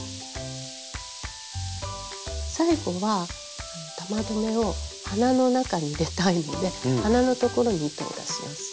最後は玉留めを鼻の中に入れたいので鼻のところに糸を出します。